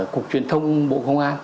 cục truyền thông bộ công an